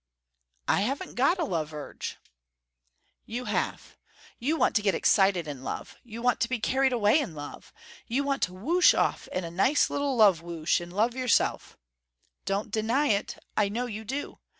"I haven't got a love urge." "You have. You want to get excited in love. You want to be carried away in love. You want to whoosh off in a nice little love whoosh and love yourself. Don't deny it. I know you do.